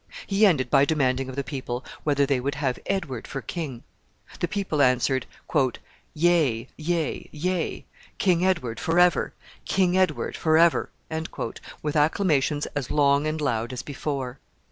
He ended by demanding of the people whether they would have Edward for king. The people answered "YEA, YEA, YEA; KING EDWARD FOREVER! KING EDWARD FOREVER!" with acclamations as long and loud as before.